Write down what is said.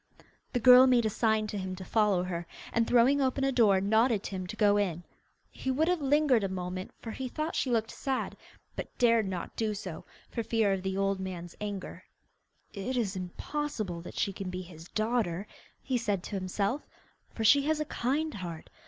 The girl made a sign to him to follow her, and, throwing open a door, nodded to him to go in. He would have lingered a moment, for he thought she looked sad, but dared not do so, for fear of the old man's anger. 'It is impossible that she can be his daughter!' he said to himself, 'for she has a kind heart.